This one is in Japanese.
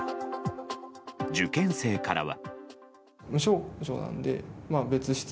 受験生からは。